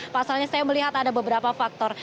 pasalnya saya melihat ada beberapa faktor